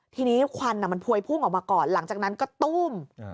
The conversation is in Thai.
ทีนี้ควันมันพวยพุ่งออกมาก่อนหลังจากนั้นก็ตู้ม